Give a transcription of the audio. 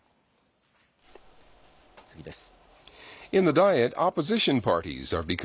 次です。